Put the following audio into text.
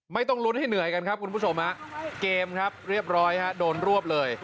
ไม่ต้องลุ้นให้เหนื่อยกันครับคุณผู้ชมฮะเกมครับเรียบร้อยฮะโดนรวบเลย